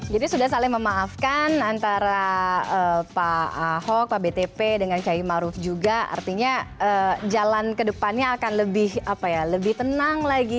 jadi sudah saling memaafkan antara pak ahok pak btp dengan cahim maruf juga artinya jalan ke depannya akan lebih tenang lagi